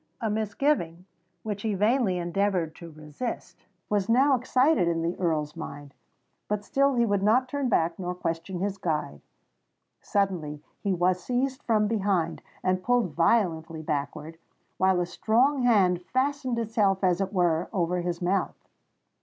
A misgiving, which he vainly endeavoured to resist, was now excited in the Earl's mind; but still he would not turn back nor question his guide. Suddenly he was seized from behind, and pulled violently backward, while a strong hand fastened itself as it were over his mouth.